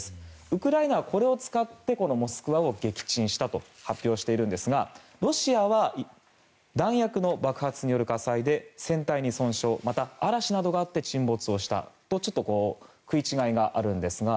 ウクライナはこれを使って「モスクワ」を撃沈したと発表しているんですがロシアは弾薬の爆発による火災で船体に損傷また嵐などがあって沈没したとちょっと食い違いがあるんですが。